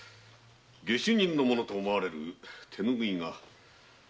下手人のものと思われる手ぬぐいが。